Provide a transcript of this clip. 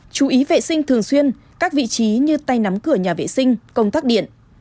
chú ý vệ sinh thường xuyên các vị trí như tay nắm cửa nhà vệ sinh công tắc điện